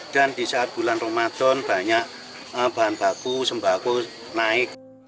dan di saat bulan ramadan banyak bahan baku sembako naik